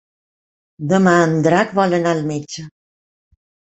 Demà en Drac vol anar al metge.